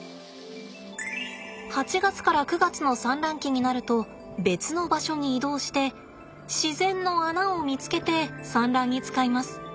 ８月から９月の産卵期になると別の場所に移動して自然の穴を見つけて産卵に使います。